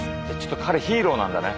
彼ヒーローなんだね